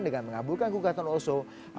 dengan mengabulkan gugatan oso